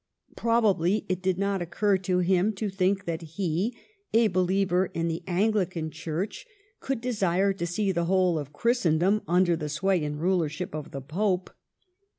Probably it did not occur to him to think that he, a believer in the Anglican Church, could desire to see the whole of Christendom under the sway and rulership of the Pope.